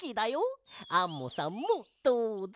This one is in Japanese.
アンモさんもどうぞ。